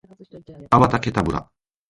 アバタケタブラ